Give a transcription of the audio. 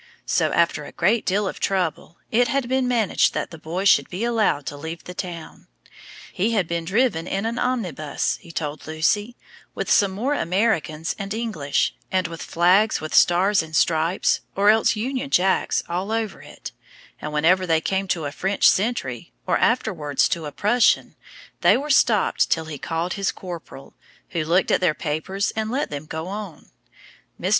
So, after a great deal of trouble, it had been managed that the boy should be allowed to leave the town. He had been driven in an omnibus, he told Lucy, with some more Americans and English, and with flags with stars and stripes or else Union Jacks all over it; and whenever they came to a French sentry, or afterwards to a Prussian, they were stopped till he called his corporal, who looked at their papers and let them go on. Mr.